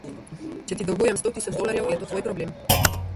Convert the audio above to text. Če ti dolgujem sto tisoč dolarjev, je to tvoj problem.